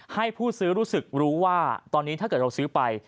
ให้ผู้ซื้อรู้สึกรู้ว่าตอนนี้ถ้าเกิดเราซื้อไป